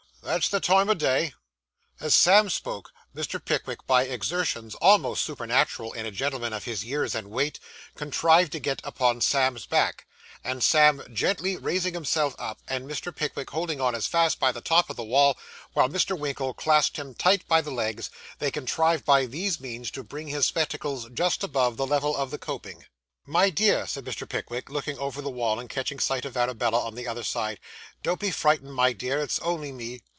That's the time o' day!' As Sam spoke, Mr. Pickwick, by exertions almost supernatural in a gentleman of his years and weight, contrived to get upon Sam's back; and Sam gently raising himself up, and Mr. Pickwick holding on fast by the top of the wall, while Mr. Winkle clasped him tight by the legs, they contrived by these means to bring his spectacles just above the level of the coping. 'My dear,' said Mr. Pickwick, looking over the wall, and catching sight of Arabella, on the other side, 'don't be frightened, my dear, it's only me.